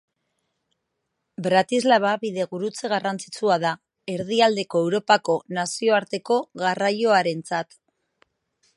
Bratislava bidegurutze garrantzitsua da Erdialdeko Europako nazioarteko garraioarentzat.